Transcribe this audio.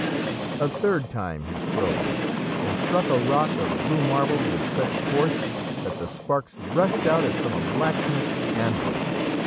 A third time he strove, and struck a rock of blue marble with such force that the sparks rushed out as from a blacksmith's anvil.